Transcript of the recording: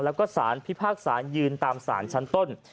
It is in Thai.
แล้วก็สารพิพากษายืนตามสารชั้นต้น